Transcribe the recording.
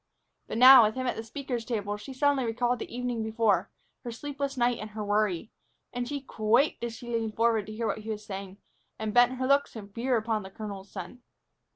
But now, with him at the speaker's table, she suddenly recalled the evening before, her sleepless night, and her worry. And she quaked as she leaned forward to hear what he was saying, and bent her looks in fear upon the colonel's son.